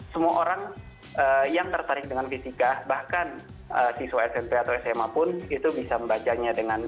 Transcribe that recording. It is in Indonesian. semua orang yang tertarik dengan fisika bahkan siswa smp atau sma pun itu bisa membacanya dengan